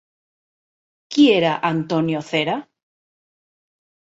Qui era Antonio Cera?